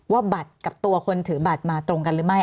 ว่าบัตรกับตัวคนถือบัตรมาตรงกันหรือไม่